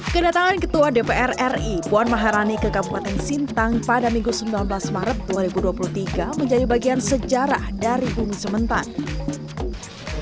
kedatangan ketua dpr ri puan maharani ke kabupaten sintang pada minggu sembilan belas maret dua ribu dua puluh tiga menjadi bagian sejarah dari bumi sementara